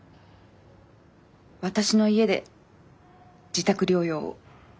私の家で自宅療養を。